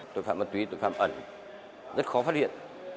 tội phạm ma túy tội phạm ẩn rất khó phát hiện